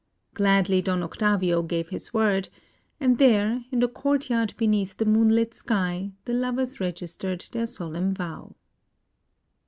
Gladly Don Octavio gave his word; and there, in the courtyard beneath the moonlit sky, the lovers registered their solemn vow.